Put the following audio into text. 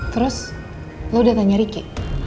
terus lo udah tanya ricky